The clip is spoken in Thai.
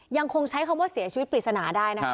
ยังคงใช้คำว่าเสียชีวิตปริศนาได้นะคะ